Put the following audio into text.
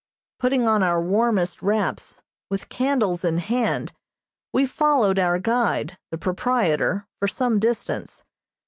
Putting on our warmest wraps, with candles in hand, we followed our guide, the proprietor, for some distance.